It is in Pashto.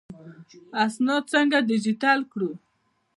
اسناد څنګه ډیجیټل کړو؟